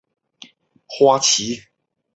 花琦如主持设计。